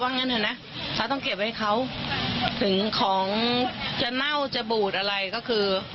งั้นเถอะนะถ้าต้องเก็บไว้เขาถึงของจะเน่าจะบูดอะไรก็คือ